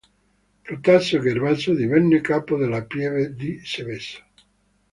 Protaso e Gervaso divenne capo della Pieve di Seveso.